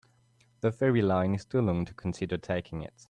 The ferry line is too long to consider taking it.